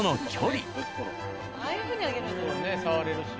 ああいうふうにあげるんだ。